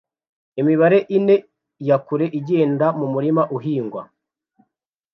Imibare ine ya kure igenda mu murima uhingwa